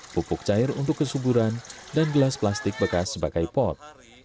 pupuk cair untuk kesuburan dan gelas plastik bekas sebagai pot